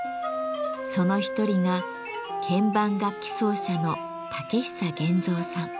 その一人が鍵盤楽器奏者の武久源造さん。